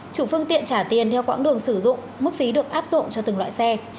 chủ phương tiện trả tiền theo quãng đường sử dụng mức phí được áp dụng cho từng loại xe